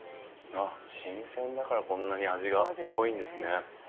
ああ新鮮だからこんなに味が濃いんですね。